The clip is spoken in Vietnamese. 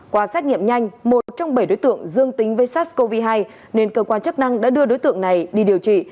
qua xét nghiệm nhanh một trong bảy đối tượng dương tính với sars cov hai nên cơ quan chức năng đã đưa đối tượng này đi điều trị